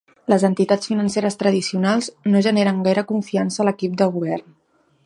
Les entitats financeres tradicionals no generen gaire confiança a l'equip de govern.